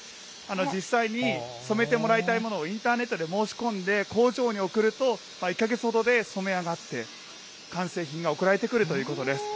実際に、染めてもらいたいものをインターネットで申し込んで、工場に送ると、１か月ほどで染め上がって、完成品が送られてくるということです。